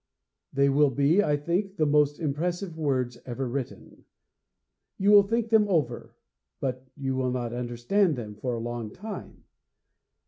They will be, I think, the most impressive words ever written. You will think them over, but you will not understand them for a long time.